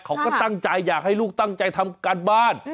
เขาก็ตั้งใจอยากให้ลูกตั้งใจทำการบ้าน